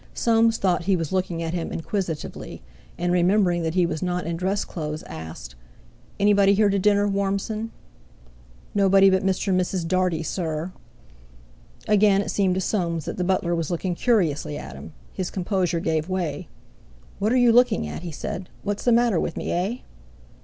Soames thought he was looking at him inquisitively, and remembering that he was not in dress clothes, asked: "Anybody here to dinner, Warmson?" "Nobody but Mr. and Mrs. Dartie, sir." Again it seemed to Soames that the butler was looking curiously at him. His composure gave way. "What are you looking at?" he said. "What's the matter with me, eh?"